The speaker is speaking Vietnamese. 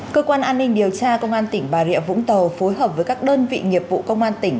cơ quan an ninh điều tra công an tỉnh bà rịa vũng tàu phối hợp với các đơn vị nghiệp vụ công an tỉnh